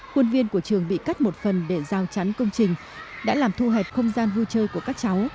quân viên của trường bị cắt một phần để giao chắn công trình đã làm thu hẹp không gian vui chơi của các cháu